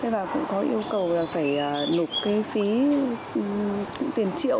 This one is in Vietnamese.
và cũng có yêu cầu phải lục cái phí tiền triệu